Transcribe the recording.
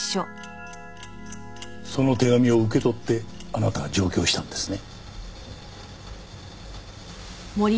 その手紙を受け取ってあなたは上京したんですね？